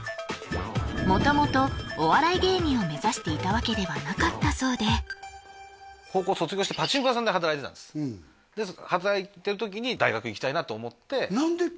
元々お笑い芸人を目指していたわけではなかったそうで高校卒業してパチンコ屋さんで働いてたんですで働いてる時に大学行きたいなと思って何で？